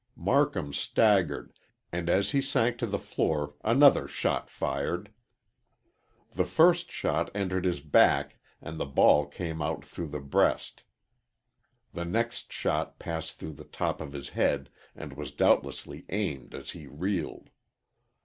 Marcum staggered and as he sank to the floor another shot fired. The first shot entered his back and the ball came out through the breast. The next shot passed through the top of his head and was doubtlessly aimed as he reeled.